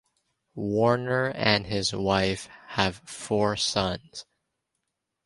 Warner and his wife have four sons.